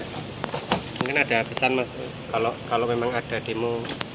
mungkin ada kesan mas kalau memang ada demo